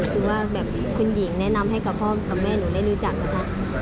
คือว่าแบบคุณหญิงแนะนำให้กับพ่อกับแม่หนูได้รู้จักนะคะ